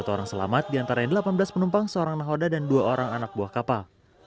satu orang selamat diantara delapan belas penumpang seorang nahoda dan dua orang anak buah kapal